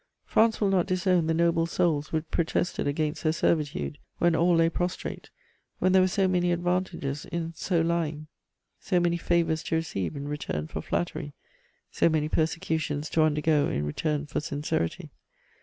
France will not disown the noble souls which protested against her servitude, when all lay prostrate, when there were so many advantages in so lying, so many favours to receive in return for flattery, so many persecutions to undergo in return for sincerity.